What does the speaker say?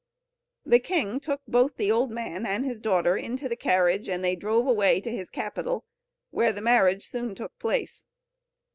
The king took both the old man and his daughter into the carriage, and they drove away to his capital, where the marriage soon took place.